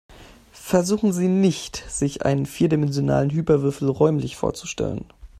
Versuchen Sie nicht, sich einen vierdimensionalen Hyperwürfel räumlich vorzustellen.